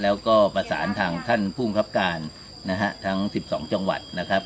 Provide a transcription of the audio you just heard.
แล้วก็ประสานทางท่านภูมิครับการนะฮะทั้ง๑๒จังหวัดนะครับ